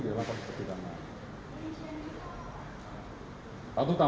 di lapangan seperti ini